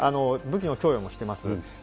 武器の供与もしてます。